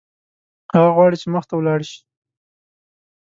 هغه غواړي چې مخته ولاړ شي.